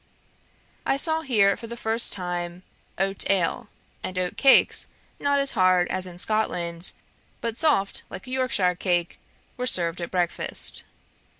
I saw here, for the first time, oat ale; and oat cakes not hard as in Scotland, but soft like a Yorkshire cake, were served at breakfast.